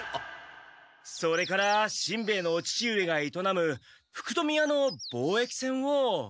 それからしんべヱのお父上がいとなむ福富屋の貿易船を。